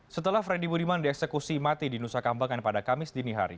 setelah freddy budiman dieksekusi mati di nusa kambangan pada kamis dini hari